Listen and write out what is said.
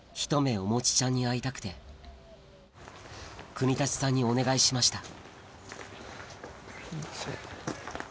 おもちちゃんに会いたくて國立さんにお願いしましたすいません。